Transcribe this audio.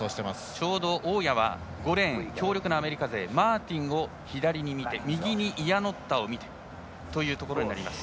ちょうど大矢は５レーン強力なアメリカ勢マーティンを左に見て右にイアノッタを見てとなります。